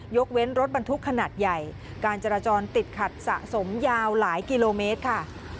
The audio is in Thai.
ยกเว้นรถบรรทุกขนาดใหญ่การจราจรติดขัดสะสมยาวหลายกิโลเมตรค่ะ